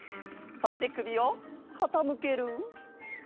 そしてくびをかたむける。